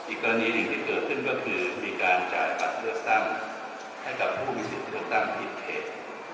อีกกรณีหนึ่งที่เกิดขึ้นก็คือมีการจ่ายบัตรเลือกตั้งให้กับผู้มีสิทธิ์เลือกตั้งที่ประเทศ